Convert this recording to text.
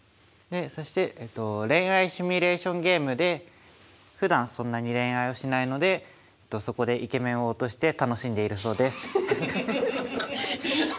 でそして恋愛シミュレーションゲームでふだんそんなに恋愛をしないのでそこでイケメンを落として楽しんでいるそうです。